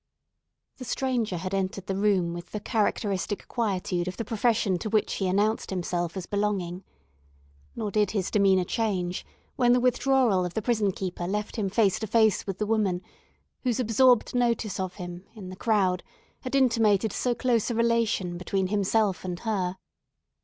The stranger had entered the room with the characteristic quietude of the profession to which he announced himself as belonging. Nor did his demeanour change when the withdrawal of the prison keeper left him face to face with the woman, whose absorbed notice of him, in the crowd, had intimated so close a relation between himself and her.